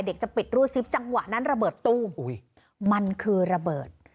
จะปิดรูดซิปจังหวะนั้นระเบิดตู้มมันคือระเบิด